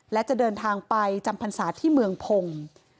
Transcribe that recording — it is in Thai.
และจะเดินทางไปจำพรรษาที่เมืองพงศ์